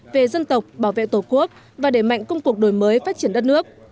về dân tộc bảo vệ tổ quốc và đẩy mạnh công cuộc đổi mới phát triển đất nước